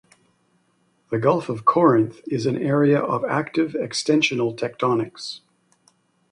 The Gulf of Corinth is an area of active extensional tectonics.